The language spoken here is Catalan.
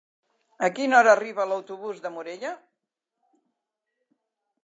A quina hora arriba l'autobús de Morella?